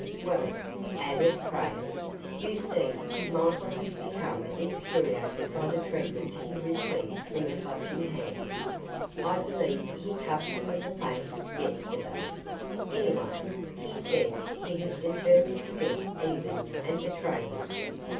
"Well," added Craig, "you see, Michael has become infuriated by the treatment he received from the Clutching Hand. I believe he cuffed him in the face yesterday. Anyway, he says he has determined to get even and betray him.